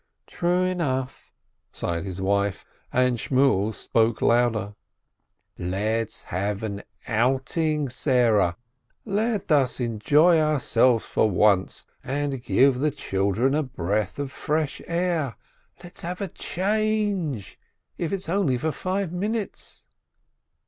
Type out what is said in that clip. "True enough!" sighed his wife, and Shmuel spoke louder : "Let us have an outing, Sarah. Let us enjoy our selves for once, and give the children a breath of fresh air, let us have a change, if it's only for five minutes